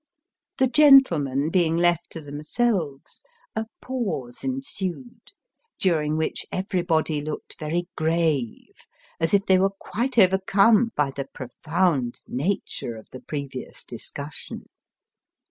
The gentlemen being left to themselves, a pause ensued, during which everybody looked very grave, as if they were quite overcome by the profound nature of the previous discussion.